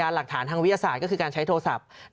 หลักฐานทางวิทยาศาสตร์ก็คือการใช้โทรศัพท์